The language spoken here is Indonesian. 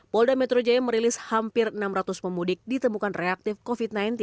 polda metro jaya merilis hampir enam ratus pemudik ditemukan reaktif covid sembilan belas